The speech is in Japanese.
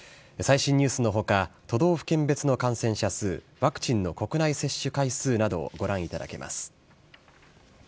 最新ニュースのほか、都道府県別の感染者数、ワクチンの国内接種回数などをご覧いただけます。